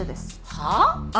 はあ？